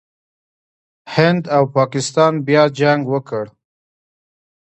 هند او پاکستان بیا جنګ وکړ.